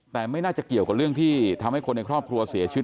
แต่ไม่น่าจะเกี่ยวกับเรื่องที่ทำให้คนในครอบครัวเสียชีวิต